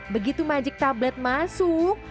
begitu magic tablet masuk